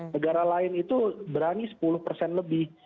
negara lain itu berani sepuluh persen lebih